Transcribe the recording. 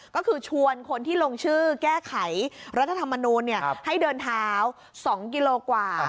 ก็คือชวนคนที่ลงชื่อแก้ไขรัฐธรรมนูลให้เดินเท้า๒กิโลกว่า